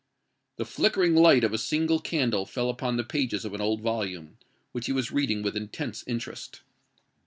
The flickering light of a single candle fell upon the pages of an old volume, which he was reading with intense interest.